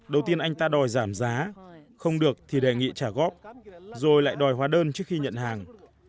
đầu tiên anh ta đòi giảm giá không được thì đề nghị trả góp rồi lại đòi hóa đơn trước khi nhận hàng